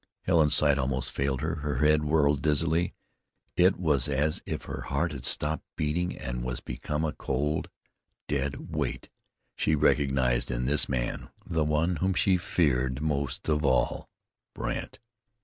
Helen's sight almost failed her; her head whirled dizzily; it was as if her heart had stopped beating and was become a cold, dead weight. She recognized in this man the one whom she feared most of all Brandt.